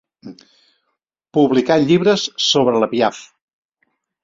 Publicant llibres sobre la Piaff.